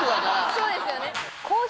そうですよね